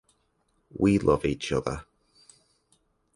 We love each other.